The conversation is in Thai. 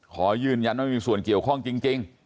ขอยืนยันว่าไม่มีส่วนเกี่ยวข้องจริง